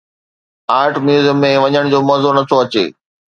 art museum ۾ وڃڻ جو مزو نٿو اچي